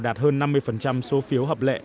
đạt hơn năm mươi số phiếu hợp lệ